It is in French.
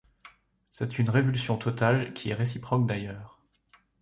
C’est une révulsion totale, qui est réciproque d’ailleurs.